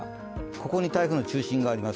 ここに台風の中心があります。